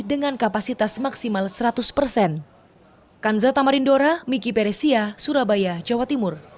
dengan kapasitas maksimal seratus persen